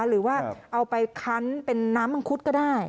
หรือว่าเอาไปคั้นเป็นน้ำมังคุดก็ได้